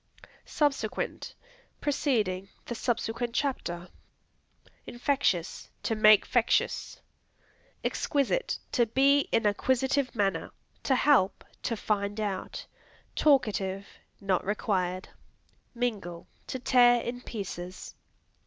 Subsequent Preceding; "The subsequent chapter." Infectious To make fectious. Exquisite To be in a quisitive manner. To help. To find out. Talkative. Not required. Mingle To tear in pieces.